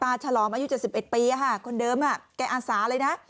ปาฉลอมอายุเจ็ดสิบเอ็ดปีอ่ะค่ะคนเดิมอ่ะแก่อาสาเลยน่ะ